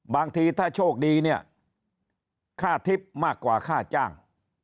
บางทีถ้าโชคดีเนี่ยค่าทิพย์มากกว่าค่าจ้าง